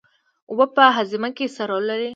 اوبه په هاضمه کې څه رول لري